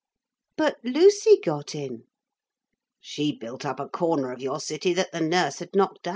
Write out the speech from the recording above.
'But Lucy got in.' 'She built up a corner of your city that the nurse had knocked down.'